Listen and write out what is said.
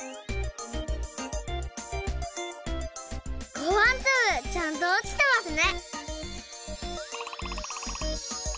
ごはんつぶちゃんとおちてますね。